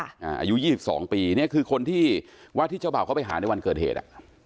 อายุ๒๒ปีเนี่ยคือคนที่ว่าที่เจ้าบ่าวเขาไปหาในวันเกิดเหตุ